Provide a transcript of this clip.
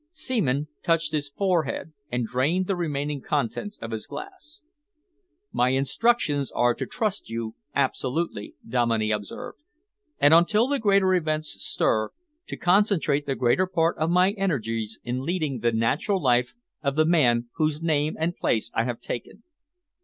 Seaman touched his forehead and drained the remaining contents of his glass. "My instructions are to trust you absolutely," Dominey observed, "and, until the greater events stir, to concentrate the greater part of my energies in leading the natural life of the man whose name and place I have taken."